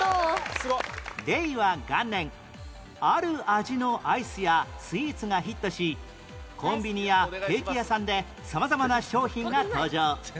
令和元年ある味のアイスやスイーツがヒットしコンビニやケーキ屋さんで様々な商品が登場